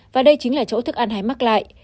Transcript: và đây chính là chỗ thức ăn hay mắc lại